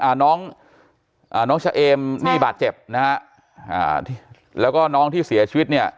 อ่าน้องอ่าน้องชะเอมนี่บาดเจ็บนะฮะอ่าแล้วก็น้องที่เสียชีวิตเนี่ย